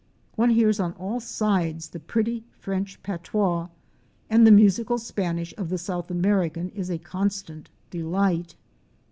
One hears on all sides the pretty French patois, and the musical Spanish of the South American is a constant delight.